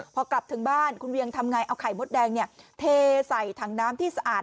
พอกลับถึงบ้านคุณเวียงทำไงเอาไข่มดแดงเทใส่ถังน้ำที่สะอาด